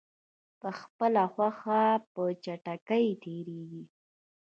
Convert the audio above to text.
په خپله خوښه په چټکۍ تېریږي.